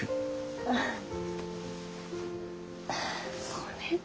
ごめんね。